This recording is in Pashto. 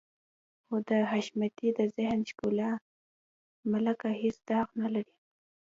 خو د حشمتي د ذهن د ښکلا ملکه هېڅ داغ نه لري.